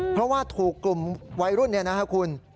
เพราะว่าถูกกลุ่มวัยรุ่นเนี่ยนะครับคุณ